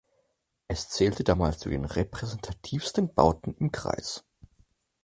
Es zählte damals zu den repräsentativsten Bauten im Kreis.